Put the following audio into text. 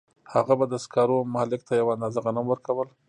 هغه به د سکارو مالک ته یوه اندازه غنم ورکول